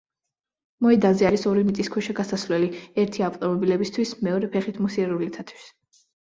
მოედანზე არის ორი მიწისქვეშა გასასვლელი: ერთი ავტომობილებისთვის, მეორე ფეხით მოსიარულეთათვის.